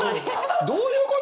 どういうこと？